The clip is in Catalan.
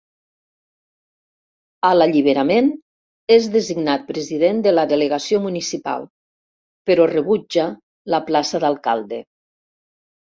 A l'Alliberament, és designat president de la delegació municipal, però rebutja la plaça d'alcalde.